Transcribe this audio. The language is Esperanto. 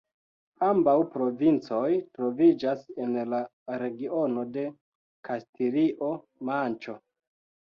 Ambaŭ provincoj troviĝas en la regiono de Kastilio-Manĉo.